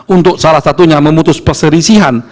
untuk salah satunya memutus perselisihan